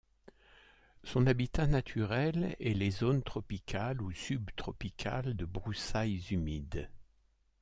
Son habitat naturel est les zones tropicales ou subtropicales de broussailles humides.